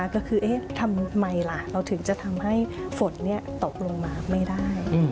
ก็คือทำไมล่ะเราถึงจะทำให้ฝนตกลงมาไม่ได้